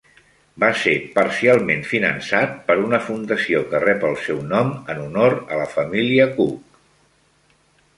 Va ser parcialment finançat per una fundació que rep el seu nom en honor a la família Cooke.